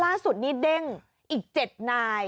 ล่าสุดนี้เด้งอีก๗นาย